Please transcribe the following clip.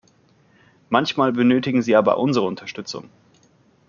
Manchmal benötigen sie aber unsere Unterstützung.